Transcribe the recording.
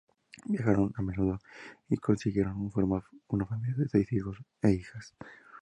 Viajaron a menudo, y consiguieron formar una familia de seis hijos e hijas.